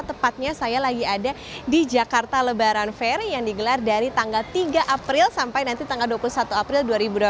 tepatnya saya lagi ada di jakarta lebaran fair yang digelar dari tanggal tiga april sampai nanti tanggal dua puluh satu april dua ribu dua puluh